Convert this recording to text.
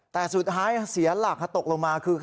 แต่สุดท้ายเสียหลักตกลงมาคือ